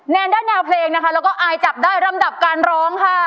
แนนได้แนวเพลงนะคะแล้วก็อายจับได้ลำดับการร้องค่ะ